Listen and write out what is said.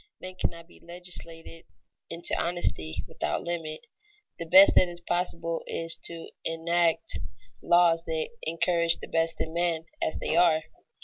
Men cannot be legislated into honesty without limit. The best that is possible is to enact laws that encourage the best in men as they are.